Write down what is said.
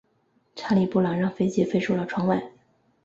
查理布朗让飞机飞出了窗外。